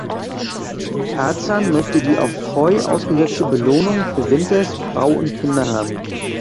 Tarzan möchte die auf Coy ausgesetzte Belohnung für Winters’ Frau und Kinder haben.